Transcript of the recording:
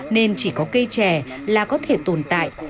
nên chỉ có cây chè là có thể tồn tại